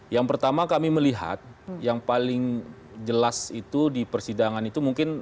yang pertama kami melihat yang paling jelas itu di persidangan itu mungkin